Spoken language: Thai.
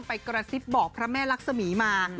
กระซิบบอกพระแม่รักษมีมา